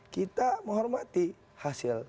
kita menghormati hasil